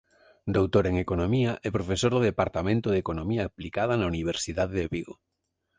Doutor en Economía e profesor do Departamento de Economía Aplicada na Universidade de Vigo.